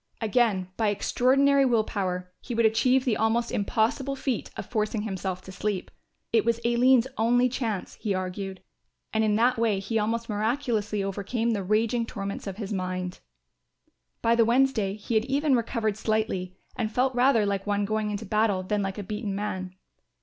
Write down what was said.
Again, by extraordinary will power, he would achieve the almost impossible feat of forcing himself to sleep. It was Aline's only chance, he argued; and in that way he almost miraculously overcame the raging torments of his mind. By the Wednesday he had even recovered slightly and felt rather like one going into battle than like a beaten man.